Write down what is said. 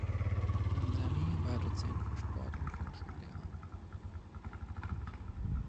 Ramsamy war Dozent für Sport und Grundschullehrer.